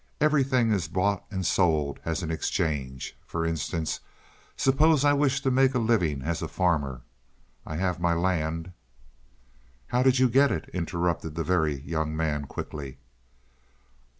Everything is bought and sold as an exchange. For instance, suppose I wish to make a living as a farmer. I have my land " "How did you get it?" interrupted the Very Young Man quickly.